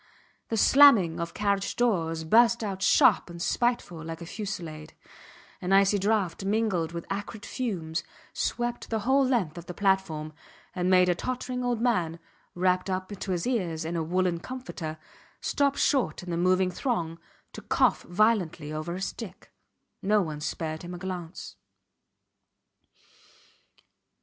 The slamming of carriage doors burst out sharp and spiteful like a fusillade; an icy draught mingled with acrid fumes swept the whole length of the platform and made a tottering old man, wrapped up to his ears in a woollen comforter, stop short in the moving throng to cough violently over his stick. No one spared him a glance.